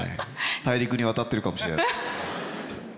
大陸に渡ってるかもしれない。